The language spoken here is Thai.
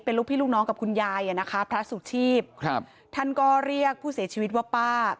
ลูกพี่ลูกน้องกับคุณยายอ่ะนะคะพระสุชีพครับท่านก็เรียกผู้เสียชีวิตว่าป้า